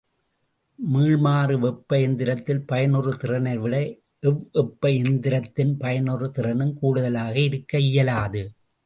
மீள்மாறு வெப்ப எந்திரத்தில் பயனுறு திறனைவிட எவ்வெப்ப எந்திரத்தின் பயனுறு திறனும் கூடுதலாக இருக்க இயலாது.